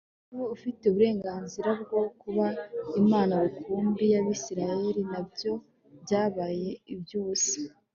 ari we ufite uburenganzira bwo kuba Imana rukumbi yAbisirayeli nabyo byabaye ibyubusa